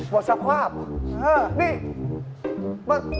บทศาพท์